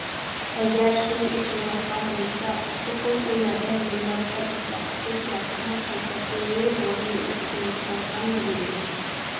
ئەگەر سۆز ئېچىلىۋاتقان بولسا، چوقۇم ئۇ يەردە «مىللەتلەر ئىتتىپاقلىقى» سىياسىتىنىڭ «پەلسەپىۋى» روھى ئىزچىللىشىۋاتقان بولىدۇ.